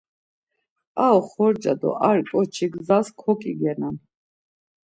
Ar oxorca do ar ǩoçi gzas koǩigenan.